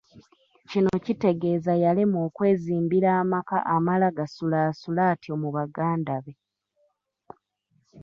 Kino kitegeeza yalemwa okwezimbira amaka amala gasulaasula atyo mu baganda be.